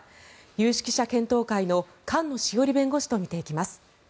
有識者検討会の菅野志桜里弁護士と見ていきます。